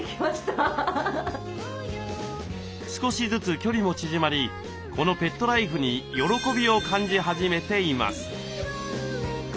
少しずつ距離も縮まりこのペットライフに喜びを感じ始めています。